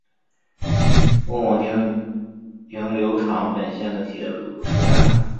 末广町停留场本线的铁路车站。